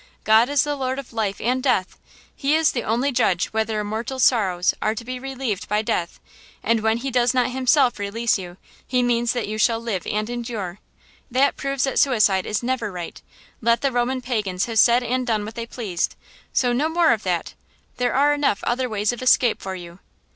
God is the Lord of life and death! He is the only judge whether a mortal's sorrows are to be relieved by death, and when He does not Himself release you, He means that you shall live and endure! That proves that suicide is never right, let the Roman pagans have said and done what they pleased. So no more of that! There are enough other ways of escape for you!"